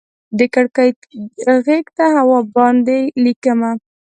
د کړکۍ غیږ ته هوا باندې ليکمه